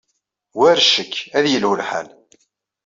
War ccek, ad yelhu lḥal.